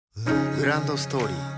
グランドストーリー